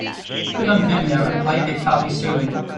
Put on Vimeo and play Kacapi Suling